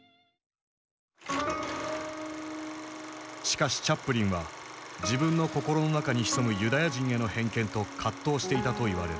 しかしチャップリンは自分の心の中に潜むユダヤ人への偏見と葛藤していたといわれる。